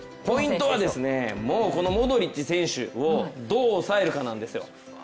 ポイントはですね、もうこのモドリッチ選手をどう抑えるかなんですよ。